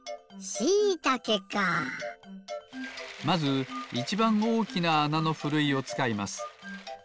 まずいちばんおおきなあなのふるいをつかいます。